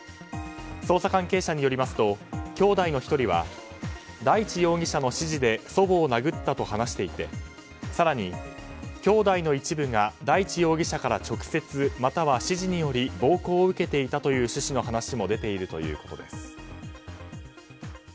捜査関係者によりますときょうだいの１人は大地容疑者の指示で祖母を殴ったと話していて更に、きょうだいの一部が大地容疑者から直接、または指示により暴行を受けていたという趣旨の話も出ているということです。